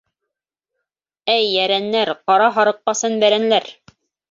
Әй, йәрәннәр, ҡара һарыҡ ҡасан бәрәнләр?